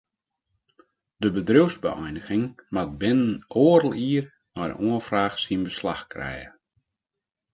De bedriuwsbeëiniging moat binnen oardel jier nei de oanfraach syn beslach krije.